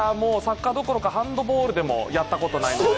サッカーどころか、ハンドボールでもやったことない。